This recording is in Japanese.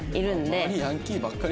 周りヤンキーばっかり？